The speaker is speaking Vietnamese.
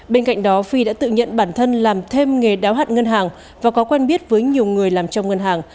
bên cạnh đó phi đã tự nhận bản thân làm thêm nghề đáo hạn ngân hàng và có quen biết với nhiều người làm trong ngân hàng